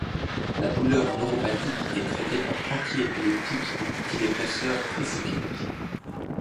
La douleur neuropathique est traitée par antiépileptiques ou antidépresseurs tricycliques.